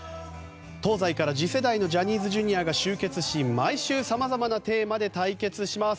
東西から、次世代のジャニーズＪｒ．が集結し毎週さまざまなテーマで対決します。